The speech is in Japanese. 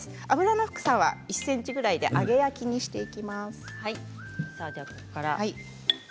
油の深さは１ｃｍくらいで揚げ焼きにしていきます。